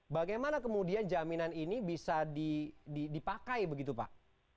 bagaimana kemudian jaminan ini bisa dipakai begitu pak